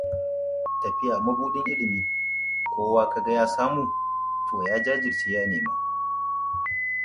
This is a fairly solitary bird, but may form small flocks at drinking areas.